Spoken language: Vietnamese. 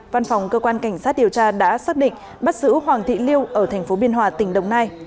văn phòng cơ quan cảnh sát điều tra đã xác định bắt giữ hoàng thị liêu ở tp biên hòa tỉnh đồng nai